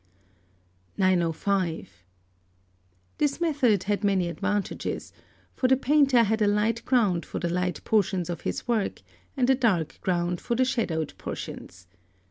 905. This method had many advantages; for the painter had a light ground for the light portions of his work and a dark ground for the shadowed portions.